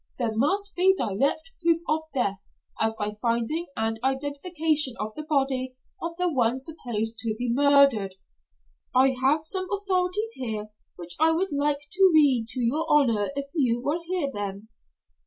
There must be direct proof of death as by finding and identification of the body of the one supposed to be murdered. I have some authorities here which I would like to read to your honor if you will hear them."